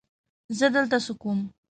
زه دلته څه کوم؟